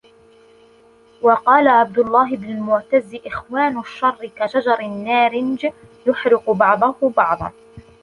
وَقَالَ عَبْدُ اللَّهِ بْنُ الْمُعْتَزِّ إخْوَانُ الشَّرِّ كَشَجَرِ النَّارِنْجِ يُحْرِقُ بَعْضُهَا بَعْضًا